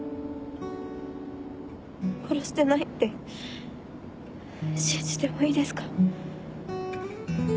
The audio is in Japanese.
殺してないって信じてもいいですか？